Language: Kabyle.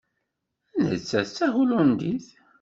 Nettat d Tahulandit.